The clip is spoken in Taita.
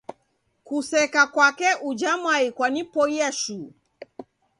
Kuseka kwake uja mwai kwanipoia shuu